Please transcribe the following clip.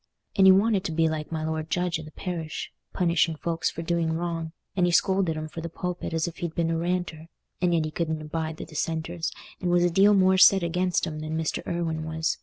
And he wanted to be like my lord judge i' the parish, punishing folks for doing wrong; and he scolded 'em from the pulpit as if he'd been a Ranter, and yet he couldn't abide the Dissenters, and was a deal more set against 'em than Mr. Irwine was.